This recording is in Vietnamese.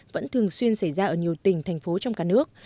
vẫn thường xuyên xảy ra ở nhiều tỉnh thành phố trong cả nước